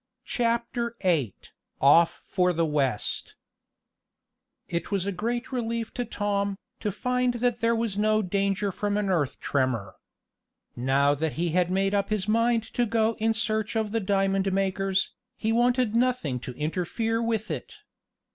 CHAPTER VIII OFF FOR THE WEST It was a great relief to Tom, to find that there was no danger from an earth tremor. Now that he had made up his mind to go in search of the diamond makers, he wanted nothing to interfere with it.